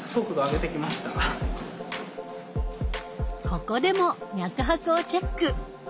ここでも脈拍をチェック！